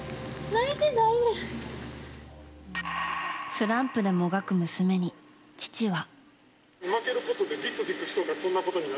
スランプでもがく娘に父は。